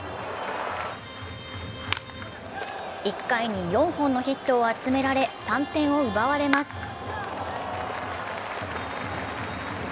１回に４本のヒットを集められ、３点を奪われます。